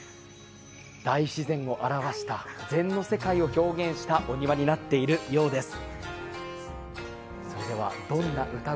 大自然を表した禅の世界を表したお庭になっているようです。